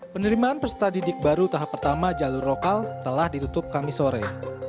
penerimaan peserta didik baru tahap pertama jalur lokal telah ditutup kami sore